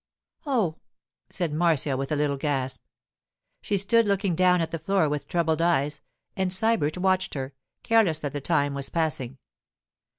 'Oh!' said Marcia, with a little gasp. She stood looking down at the floor with troubled eyes, and Sybert watched her, careless that the time was passing.